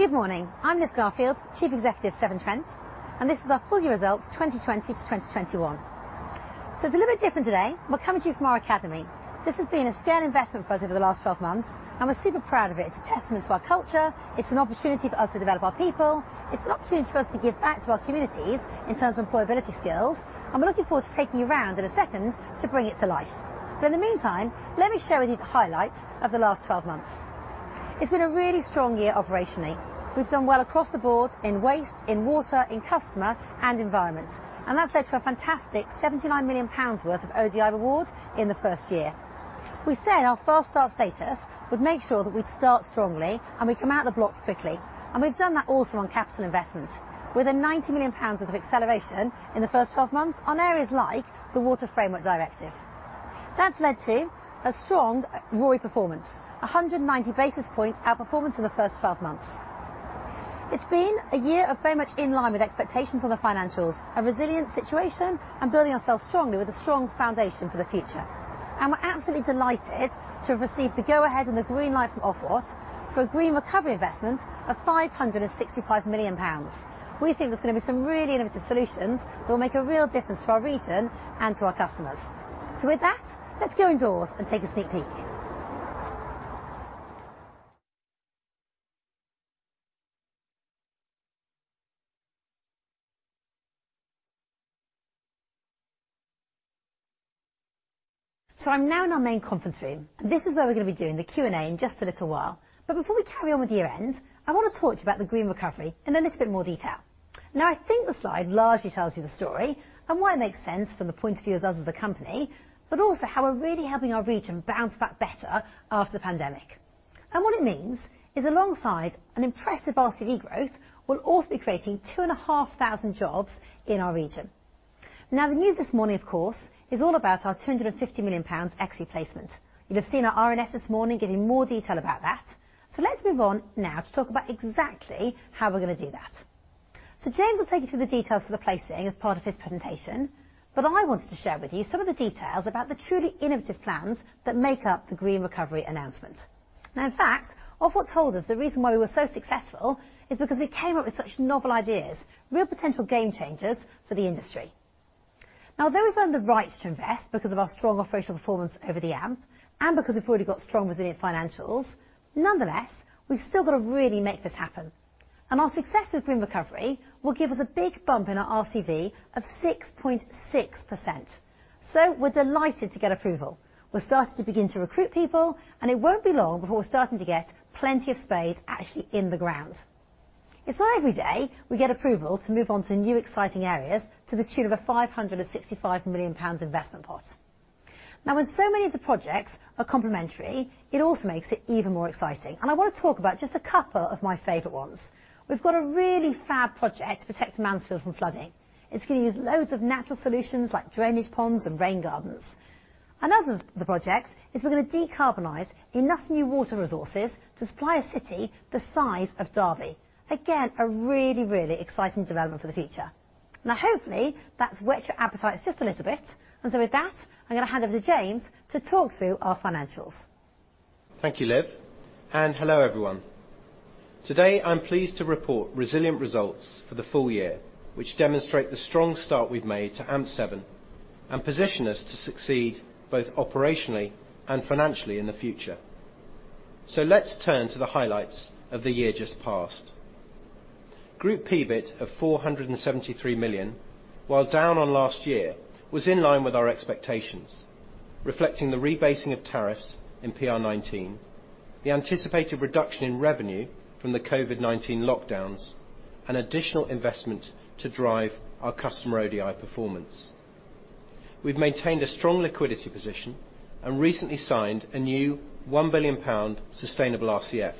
Good morning. I'm Liv Garfield, Chief Executive of Severn Trent, and this is our full year results 2020 to 2021. It's a little bit different today. We're coming to you from our academy. This has been a scale investment for us over the last 12 months, and we're super proud of it. It's a testament to our culture. It's an opportunity for us to develop our people. It's an opportunity for us to give back to our communities in terms of employability skills. We're looking forward to taking you around in a second to bring it to life. In the meantime, let me share with you the highlights of the last 12 months. It's been a really strong year operationally. We've done well across the board in waste, in water, in customer, and environment. That's led to a fantastic 79 million pounds worth of ODI awards in the first year. We said our fast start status would make sure that we'd start strongly, and we'd come out of the blocks quickly, and we've done that also on capital investment with a 90 million pounds worth of acceleration in the first 12 months on areas like the Water Framework Directive. That's led to a strong RoRE performance. 190 basis points outperformance in the first 12 months. It's been a year of very much in line with expectations on the financials, a resilient situation, and building ourselves strongly with a strong foundation for the future. We're absolutely delighted to have received the go-ahead and the green light from Ofwat for a Green Recovery investment of 565 million pounds. We think there's gonna be some really innovative solutions that will make a real difference to our region and to our customers. With that, let's go indoors and take a sneak peek. I'm now in our main conference room. This is where we're gonna be doing the Q&A in just a little while. Before we carry on with year end, I wanna talk to you about the Green Recovery in a little bit more detail. Now, I think the slide largely tells you the story and why it makes sense from the point of view of us as a company, but also how we're really helping our region bounce back better after the pandemic. What it means is, alongside an impressive RCV growth, we'll also be creating 2,500 jobs in our region. Now, the news this morning, of course, is all about our 250 million pounds equity placement. You'll have seen our RNS this morning giving more detail about that. Let's move on now to talk about exactly how we're gonna do that. James will take you through the details for the placing as part of his presentation, but I wanted to share with you some of the details about the truly innovative plans that make up the Green Recovery announcement. Now, in fact, Ofwat told us the reason why we were so successful is because we came up with such novel ideas, real potential game changers for the industry. Now, though we've earned the rights to invest because of our strong operational performance over the AMP, and because we've already got strong, resilient financials, nonetheless, we've still gotta really make this happen. Our success with Green Recovery will give us a big bump in our RCV of 6.6%, so we're delighted to get approval. We're starting to begin to recruit people, and it won't be long before we're starting to get plenty of spades actually in the ground. It's not every day we get approval to move on to new, exciting areas to the tune of a 565 million pounds investment pot. Now, when so many of the projects are complementary, it also makes it even more exciting. I wanna talk about just a couple of my favorite ones. We've got a really fab project to protect Mansfield from flooding. It's gonna use loads of natural solutions like drainage ponds and rain gardens. Another of the projects is we're gonna decarbonize enough new water resources to supply a city the size of Derby. Again, a really, really exciting development for the future. Now, hopefully, that's whet your appetite just a little bit. With that, I'm gonna hand over to James to talk through our financials. Thank you, Liv, and hello, everyone. Today, I'm pleased to report resilient results for the full year, which demonstrate the strong start we've made to AMP7 and position us to succeed both operationally and financially in the future. Let's turn to the highlights of the year just past. Group PBIT of 473 million, while down on last year, was in line with our expectations, reflecting the rebasing of tariffs in PR19, the anticipated reduction in revenue from the COVID-19 lockdowns, and additional investment to drive our customer ODI performance. We've maintained a strong liquidity position and recently signed a new 1 billion pound sustainable RCF.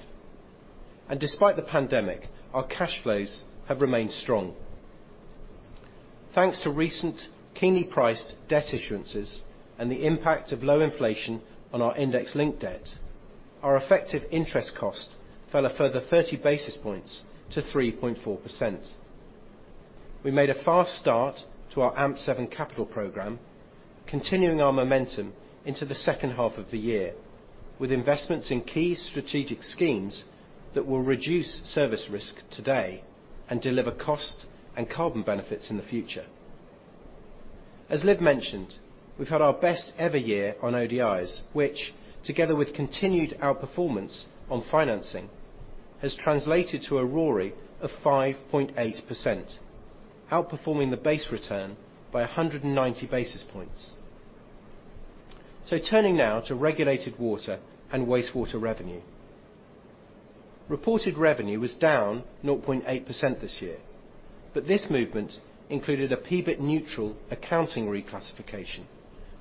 Despite the pandemic, our cash flows have remained strong. Thanks to recent keenly priced debt issuances and the impact of low inflation on our index-linked debt, our effective interest cost fell a further 30 basis points to 3.4%. We made a fast start to our AMP7 capital program, continuing our momentum into the H2 of the year, with investments in key strategic schemes that will reduce service risk today and deliver cost and carbon benefits in the future. As Liv mentioned, we've had our best ever year on ODIs, which together with continued outperformance on financing, has translated to a RoRE of 5.8%, outperforming the base return by 190 basis points. Turning now to regulated water and wastewater revenue. Reported revenue was down 0.8% this year, but this movement included a PBIT neutral accounting reclassification,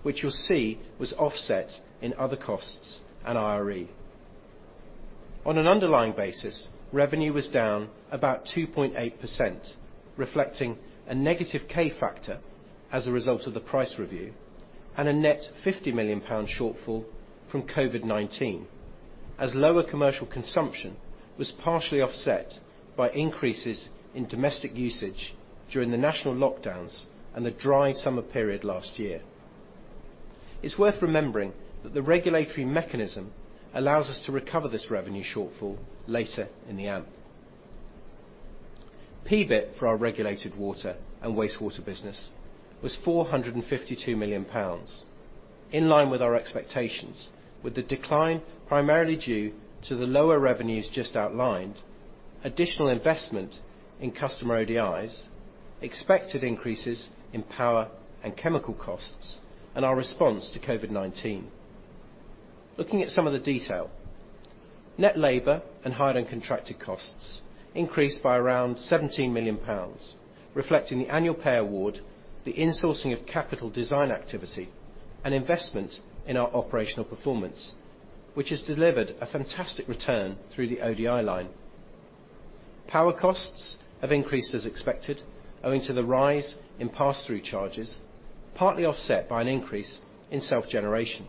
which you'll see was offset in other costs and IRE. On an underlying basis, revenue was down about 2.8%, reflecting a negative K factor as a result of the price review and a net 50 million pound shortfall from COVID-19, as lower commercial consumption was partially offset by increases in domestic usage during the national lockdowns and the dry summer period last year. It's worth remembering that the regulatory mechanism allows us to recover this revenue shortfall later in the AMP. PBIT for our regulated water and wastewater business was 452 million pounds, in line with our expectations, with the decline primarily due to the lower revenues just outlined, additional investment in customer ODIs, expected increases in power and chemical costs, and our response to COVID-19. Looking at some of the detail. Net labor and hired and contracted costs increased by around 17 million pounds, reflecting the annual pay award, the insourcing of capital design activity, and investment in our operational performance, which has delivered a fantastic return through the ODI line. Power costs have increased as expected, owing to the rise in pass-through charges, partly offset by an increase in self-generation.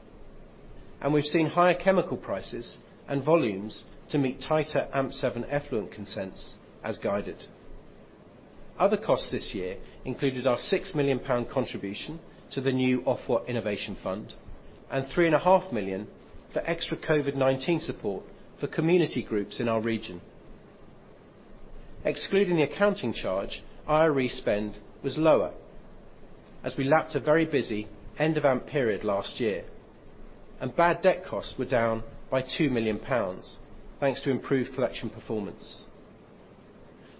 We've seen higher chemical prices and volumes to meet tighter AMP7 effluent consents, as guided. Other costs this year included our GBP 6 million contribution to the new Ofwat Innovation Fund and 3.5 million for extra COVID-19 support for community groups in our region. Excluding the accounting charge, IRE spend was lower, as we lapped a very busy end of AMP period last year. Bad debt costs were down by 2 million pounds, thanks to improved collection performance.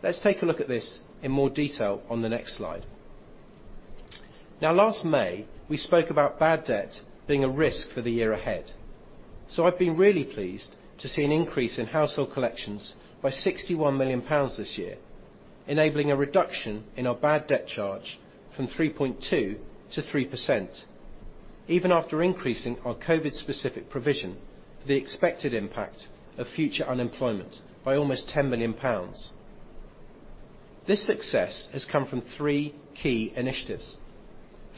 Let's take a look at this in more detail on the next slide. Now, last May, we spoke about bad debt being a risk for the year ahead. I've been really pleased to see an increase in household collections by 61 million pounds this year, enabling a reduction in our bad debt charge from 3.2% to 3%, even after increasing our COVID-specific provision, the expected impact of future unemployment by almost 10 million pounds. This success has come from three key initiatives.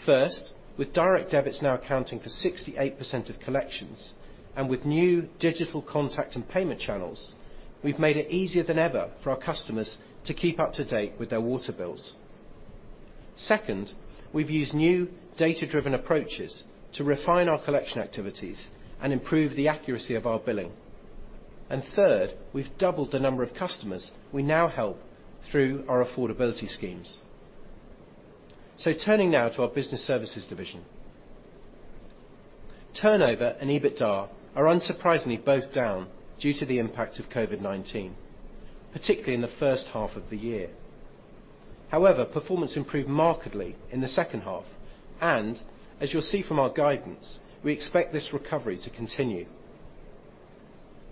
First, with direct debits now accounting for 68% of collections, and with new digital contact and payment channels, we've made it easier than ever for our customers to keep up to date with their water bills. Second, we've used new data-driven approaches to refine our collection activities and improve the accuracy of our billing. Third, we've doubled the number of customers we now help through our affordability schemes. Turning now to our business services division. Turnover and EBITDA are unsurprisingly both down due to the impact of COVID-19, particularly in the H1 of the year. However, performance improved markedly in the H2, and as you'll see from our guidance, we expect this recovery to continue.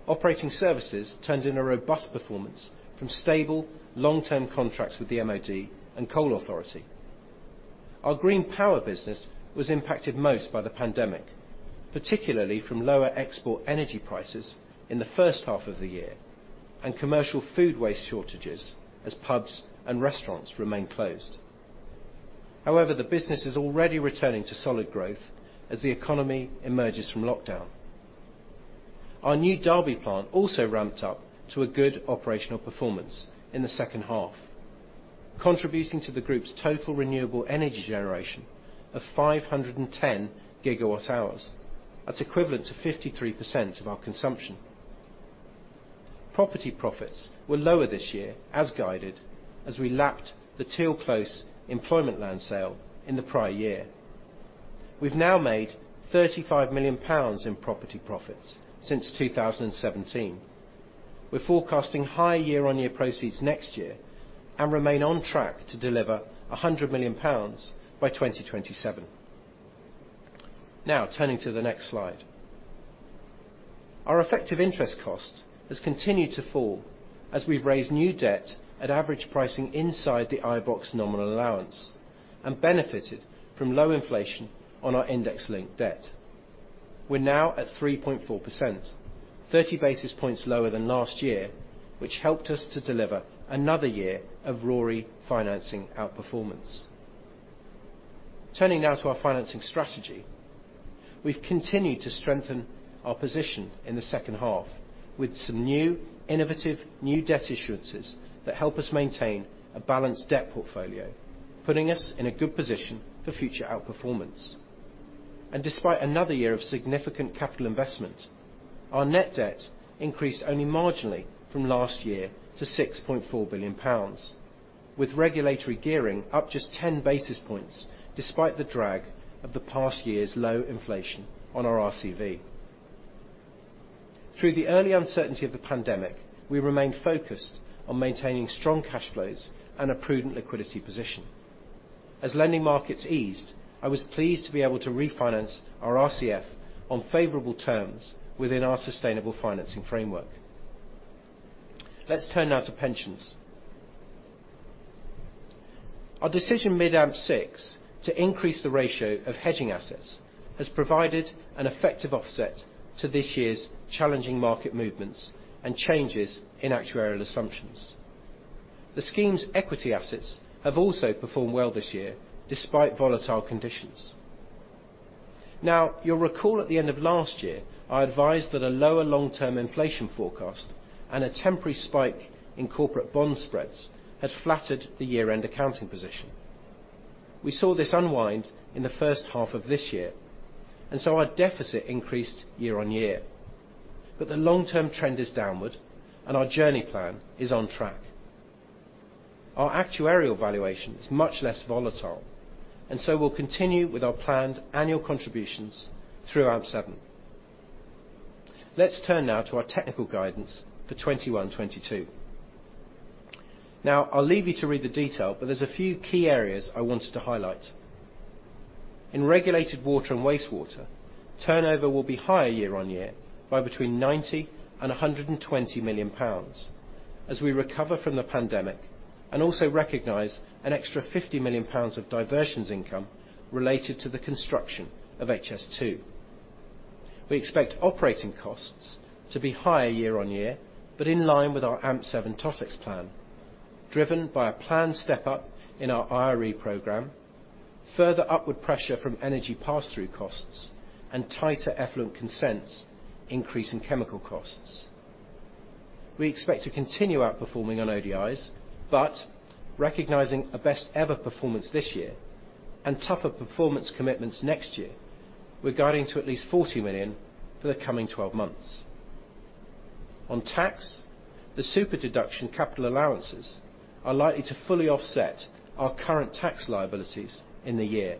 Operating services turned in a robust performance from stable long-term contracts with the MOD and Coal Authority. Our green power business was impacted most by the pandemic, particularly from lower export energy prices in the H1 of the year and commercial food waste shortages as pubs and restaurants remain closed. However, the business is already returning to solid growth as the economy emerges from lockdown. Our new Derby plant also ramped up to a good operational performance in the H2, contributing to the group's total renewable energy generation of 510 GWh. That's equivalent to 53% of our consumption. Property profits were lower this year, as guided, as we lapped the Teal Close employment land sale in the prior year. We've now made 35 million pounds in property profits since 2017. We're forecasting higher year-on-year proceeds next year and remain on track to deliver 100 million pounds by 2027. Now, turning to the next slide. Our effective interest cost has continued to fall as we've raised new debt at average pricing inside the iBoxx nominal allowance and benefited from low inflation on our index-linked debt. We're now at 3.4%, 30 basis points lower than last year, which helped us to deliver another year of RoRE financing outperformance. Turning now to our financing strategy. We've continued to strengthen our position in the second half with some new, innovative debt issuances that help us maintain a balanced debt portfolio, putting us in a good position for future outperformance. Despite another year of significant capital investment, our net debt increased only marginally from last year to 6.4 billion pounds, with regulatory gearing up just 10 basis points despite the drag of the past year's low inflation on our RCV. Through the early uncertainty of the pandemic, we remained focused on maintaining strong cash flows and a prudent liquidity position. As lending markets eased, I was pleased to be able to refinance our RCF on favorable terms within our sustainable financing framework. Let's turn now to pensions. Our decision mid-AMP6 to increase the ratio of hedging assets has provided an effective offset to this year's challenging market movements and changes in actuarial assumptions. The scheme's equity assets have also performed well this year, despite volatile conditions. Now, you'll recall at the end of last year, I advised that a lower long-term inflation forecast and a temporary spike in corporate bond spreads had flattered the year-end accounting position. We saw this unwind in the first half of this year, and so our deficit increased year-on-year. The long-term trend is downward, and our journey plan is on track. Our actuarial valuation is much less volatile, and so we'll continue with our planned annual contributions through AMP7. Let's turn now to our technical guidance for 2021/2022. Now, I'll leave you to read the detail, but there's a few key areas I wanted to highlight. In regulated water and wastewater, turnover will be higher year-on-year by between 90 million and 120 million pounds as we recover from the pandemic and also recognize an extra 50 million pounds of diversions income related to the construction of HS2. We expect operating costs to be higher year-on-year, but in line with our AMP7 TotEx plan, driven by a planned step up in our IRE program, further upward pressure from energy pass-through costs, and tighter effluent consents, increasing chemical costs. We expect to continue outperforming on ODIs, but recognizing a best ever performance this year and tougher performance commitments next year, we're guiding to at least 40 million for the coming 12 months. On tax, the super deduction capital allowances are likely to fully offset our current tax liabilities in the year.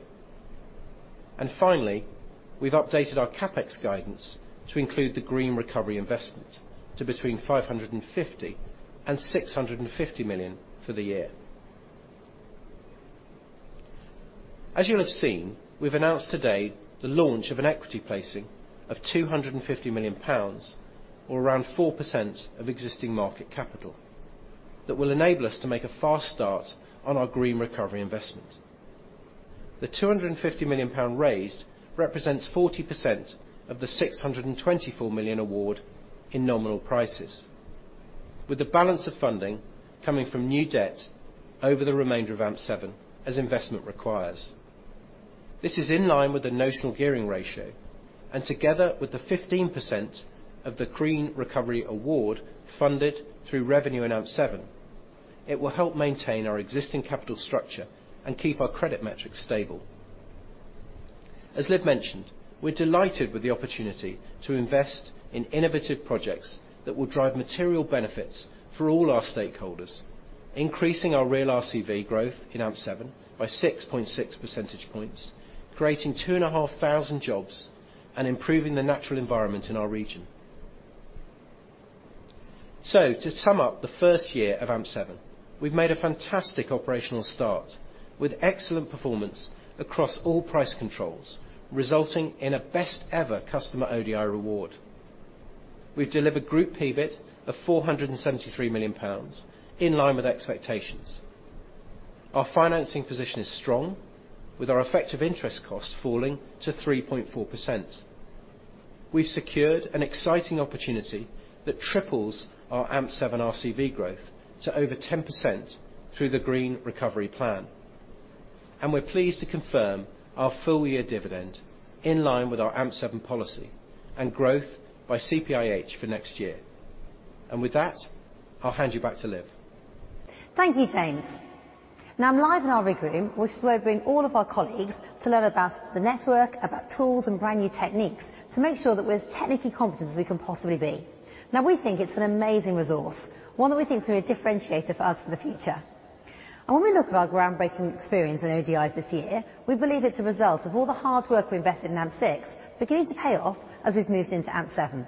Finally, we've updated our CapEx guidance to include the Green Recovery investment to between 550 million and 650 million for the year. As you'll have seen, we've announced today the launch of an equity placing of 250 million pounds or around 4% of existing market cap. That will enable us to make a fast start on our Green Recovery investment. The 250 million pound raised represents 40% of the 624 million award in nominal prices, with the balance of funding coming from new debt over the remainder of AMP7 as investment requires. This is in line with the notional gearing ratio, and together with the 15% of the Green Recovery award funded through revenue in AMP7, it will help maintain our existing capital structure and keep our credit metrics stable. As Liv mentioned, we're delighted with the opportunity to invest in innovative projects that will drive material benefits for all our stakeholders, increasing our real RCV growth in AMP7 by 6.6 percentage points, creating 2,500 jobs, and improving the natural environment in our region. To sum up the first year of AMP7, we've made a fantastic operational start with excellent performance across all price controls, resulting in a best ever customer ODI reward. We've delivered group PBIT of 473 million pounds, in line with expectations. Our financing position is strong, with our effective interest costs falling to 3.4%. We've secured an exciting opportunity that triples our AMP7 RCV growth to over 10% through the Green Recovery plan. We're pleased to confirm our full year dividend in line with our AMP7 policy and growth by CPIH for next year. With that, I'll hand you back to Liv. Thank you, James Jesic. Now I'm live in our rig room, which is where we bring all of our colleagues to learn about the network, about tools, and brand new techniques to make sure that we're as technically competent as we can possibly be. Now, we think it's an amazing resource, one that we think is gonna be a differentiator for us for the future. When we look at our groundbreaking experience in ODIs this year, we believe it's a result of all the hard work we invested in AMP6 beginning to pay off as we've moved into AMP7.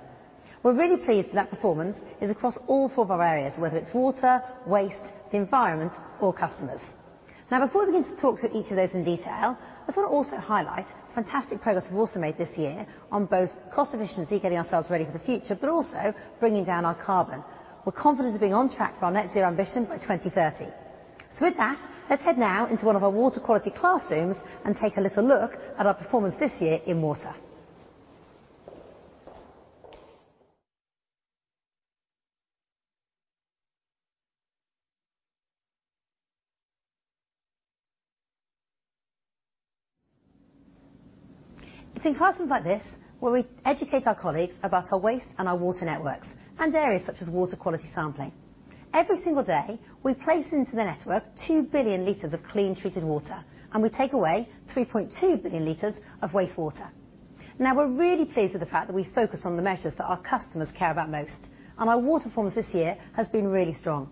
We're really pleased that performance is across all four of our areas, whether it's water, waste, the environment, or customers. Now, before we begin to talk through each of those in detail, I just wanna also highlight the fantastic progress we've also made this year on both cost efficiency, getting ourselves ready for the future, but also bringing down our carbon. We're confident of being on track for our net zero ambition by 2030. With that, let's head now into one of our water quality classrooms and take a little look at our performance this year in water. It's in classrooms like this where we educate our colleagues about our waste and our water networks and areas such as water quality sampling. Every single day, we place into the network two billion liters of clean treated water, and we take away 3.2 billion liters of wastewater. Now, we're really pleased with the fact that we focus on the measures that our customers care about most, and our water performance this year has been really strong.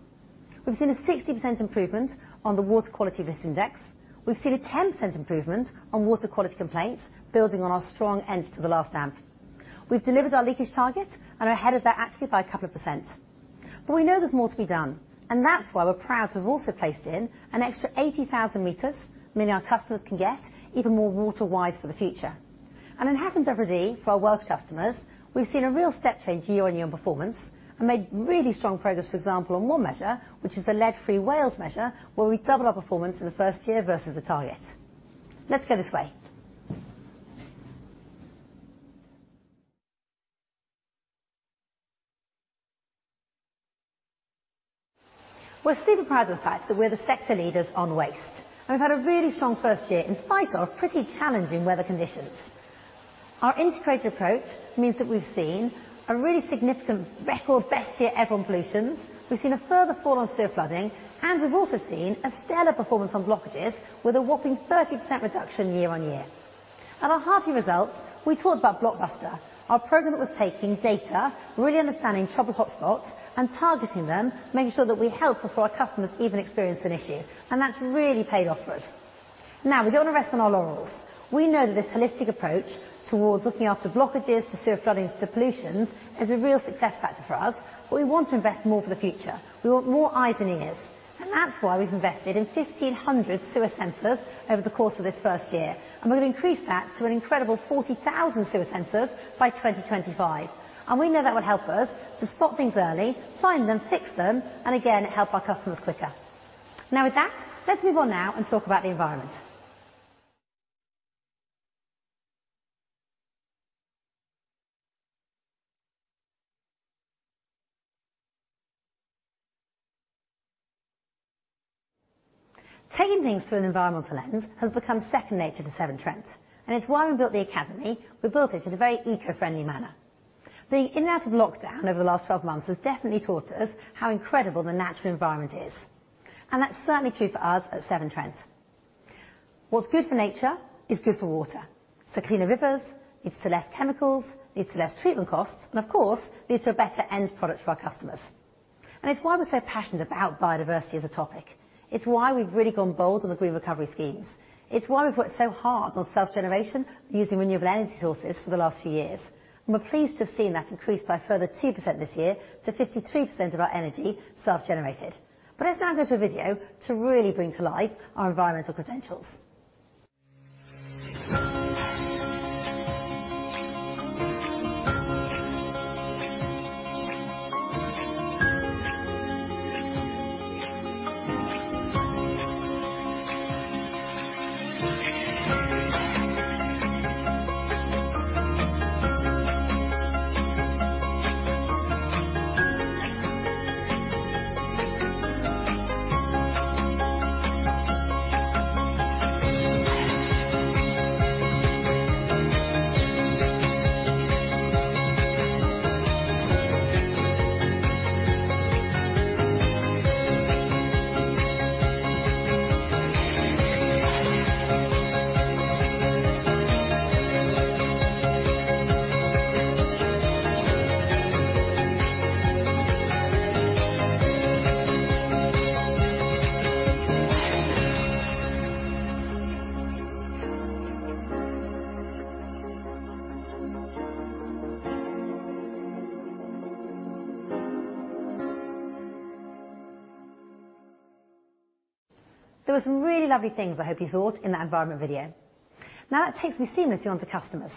We've seen a 60% improvement on the Water Quality Risk Index. We've seen a 10% improvement on water quality complaints, building on our strong end to the last AMP. We've delivered our leakage target and are ahead of that actually by a couple of percent. But we know there's more to be done, and that's why we're proud to have also placed in an extra 80,000 meters, meaning our customers can get even more water wise for the future. It happens every day for our Welsh customers. We've seen a real step change year-over-year in performance and made really strong progress, for example, on one measure, which is the lead-free Wales measure, where we doubled our performance in the first year versus the target. Let's go this way. We're super proud of the fact that we're the sector leaders on waste. We've had a really strong first year in spite of pretty challenging weather conditions. Our integrated approach means that we've seen a really significant record best year ever on pollutions, we've seen a further fall on sewer flooding, and we've also seen a stellar performance on blockages with a whopping 30% reduction year-over-year. At our half year results, we talked about Blockbuster, our program that was taking data, really understanding trouble hotspots and targeting them, making sure that we help before our customers even experience an issue, and that's really paid off for us. Now, we don't wanna rest on our laurels. We know that this holistic approach towards looking after blockages to sewer floodings to pollutions is a real success factor for us, but we want to invest more for the future. We want more eyes and ears, and that's why we've invested in 1,500 sewer sensors over the course of this first year, and we're gonna increase that to an incredible 40,000 sewer sensors by 2025. We know that will help us to spot things early, find them, fix them, and again, help our customers quicker. Now, with that, let's move on now and talk about the environment. Taking things through an environmental lens has become second nature to Severn Trent, and it's why we built the academy. We built it in a very eco-friendly manner. Being in and out of lockdown over the last 12 months has definitely taught us how incredible the natural environment is, and that's certainly true for us at Severn Trent. What's good for nature is good for water. It leads to cleaner rivers, leads to less chemicals, leads to less treatment costs, and of course, leads to a better end product for our customers. It's why we're so passionate about biodiversity as a topic. It's why we've really gone bold on the Green Recovery schemes. It's why we've worked so hard on self-generation using renewable energy sources for the last few years. We're pleased to have seen that increase by a further 2% this year to 53% of our energy self-generated. Let's now go to a video to really bring to life our environmental credentials. There were some really lovely things, I hope you thought, in that environmental video. Now that takes me seamlessly on to customers.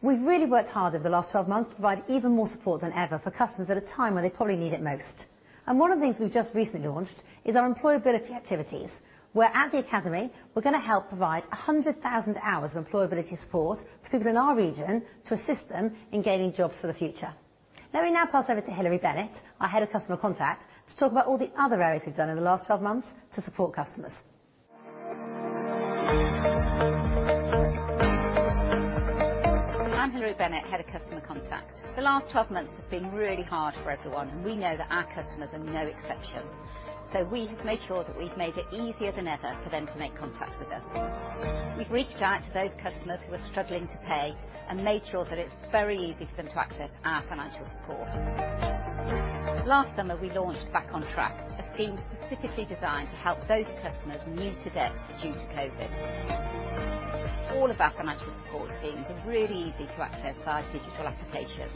We've really worked hard over the last 12 months to provide even more support than ever for customers at a time when they probably need it most. One of the things we've just recently launched is our employability activities, where at the academy, we're gonna help provide 100,000 hours of employability support for people in our region to assist them in gaining jobs for the future. Let me now pass over to Hilary Bennett, our Head of Customer Contact, to talk about all the other areas we've done over the last 12 months to support customers. I'm Hilary Bennett, Head of Customer Contact. The last 12 months have been really hard for everyone, and we know that our customers are no exception. We have made sure that we've made it easier than ever for them to make contact with us. We've reached out to those customers who are struggling to pay and made sure that it's very easy for them to access our financial support. Last summer, we launched Back on Track, a scheme specifically designed to help those customers new to debt due to COVID. All of our financial support schemes are really easy to access via digital applications.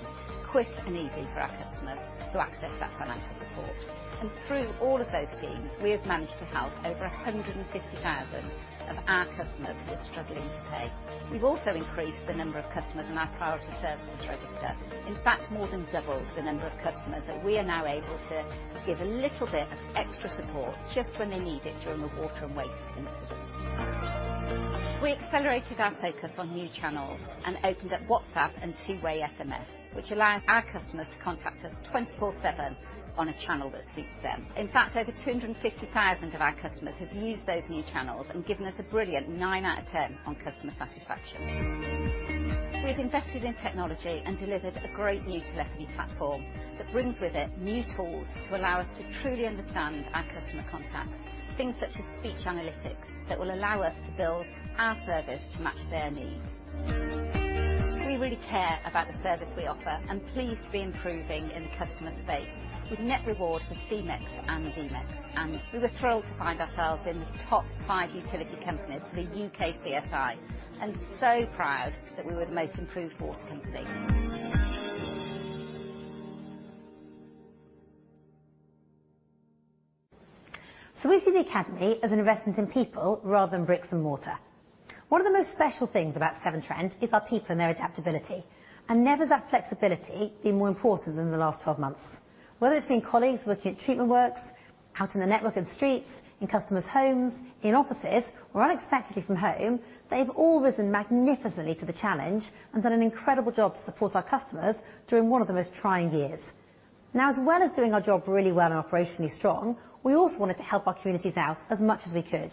Quick and easy for our customers to access that financial support. Through all of those schemes, we have managed to help over 150,000 of our customers who are struggling to pay. We've also increased the number of customers on our priority services register. In fact, more than doubled the number of customers that we are now able to give a little bit of extra support just when they need it during a water and waste incident. We accelerated our focus on new channels and opened up WhatsApp and two-way SMS, which allows our customers to contact us 24/7 on a channel that suits them. In fact, over 250,000 of our customers have used those new channels and given us a brilliant nine out of 10 on customer satisfaction. We've invested in technology and delivered a great new telephony platform that brings with it new tools to allow us to truly understand our customer contacts. Things such as speech analytics that will allow us to build our service to match their needs. We really care about the service we offer and pleased to be improving in the customer space with net reward for C-MeX and D-MeX, and we were thrilled to find ourselves in the top five utility companies for the UKCSI, and so proud that we were the most improved water company. We see the academy as an investment in people rather than bricks and mortar. One of the most special things about Severn Trent is our people and their adaptability, and never has that flexibility been more important than the last 12 months. Whether it's been colleagues working at treatment works, out in the network and streets, in customers' homes, in offices, or unexpectedly from home, they've all risen magnificently to the challenge and done an incredible job to support our customers during one of the most trying years. Now, as well as doing our job really well and operationally strong, we also wanted to help our communities out as much as we could.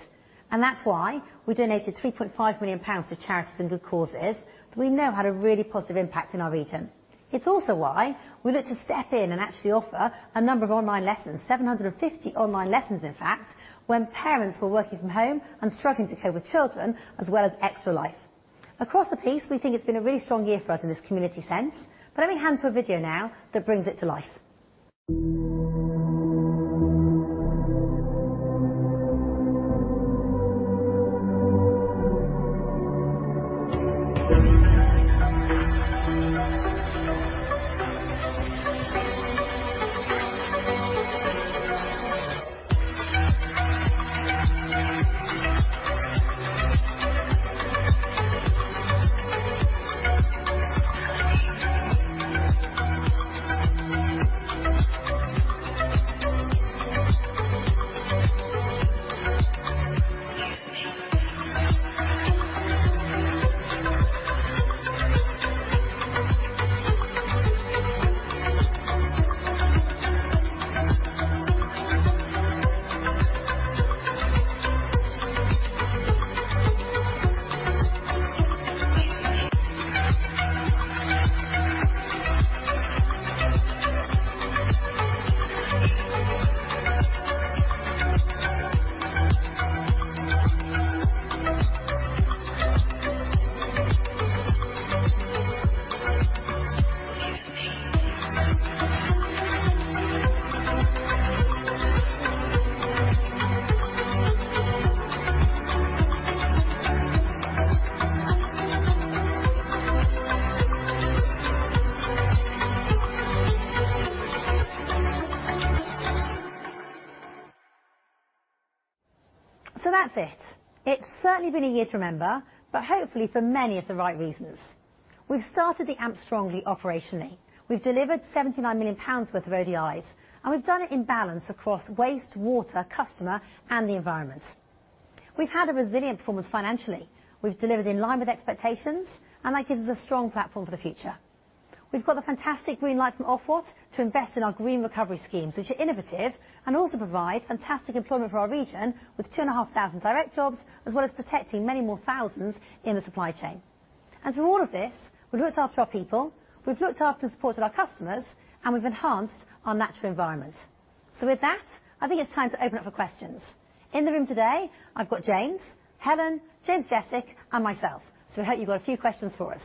That's why we donated 3.5 million pounds to charities and good causes that we know had a really positive impact in our region. It's also why we looked to step in and actually offer a number of online lessons, 750 online lessons, in fact, when parents were working from home and struggling to cope with children as well as extra life. Across the piece, we think it's been a really strong year for us in this community sense, but let me hand to a video now that brings it to life. That's it. It's certainly been a year to remember. Hopefully for many of the right reasons. We've started the AMP strongly operationally. We've delivered 79 million pounds worth of ODIs, and we've done it in balance across waste, water, customer, and the environment. We've had a resilient performance financially. We've delivered in line with expectations, and that gives us a strong platform for the future. We've got the fantastic green light from Ofwat to invest in our Green Recovery schemes, which are innovative and also provide fantastic employment for our region with 2,500 direct jobs as well as protecting many more thousands in the supply chain. Through all of this, we've looked after our people, we've looked after and supported our customers, and we've enhanced our natural environment. With that, I think it's time to open up for questions. In the room today, I've got James, Helen, James Jesic, and myself. We hope you've got a few questions for us.